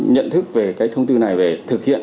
nhận thức về cái thông tư này về thực hiện